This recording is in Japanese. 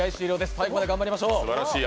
最後まで頑張りましょう。